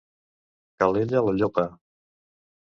Calella la llopa.